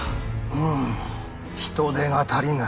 うむ人手が足りぬ。